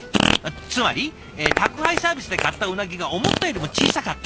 つまり宅配サービスで買った鰻が思ったよりも小さかった。